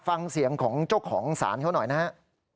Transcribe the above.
ฟังเสียงของเจ้าของศาลเขาหน่อยนะฮะ